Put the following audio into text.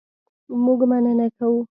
مونږ مننه کوو